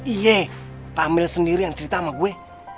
iya pak emil sendiri yang cerita sama gue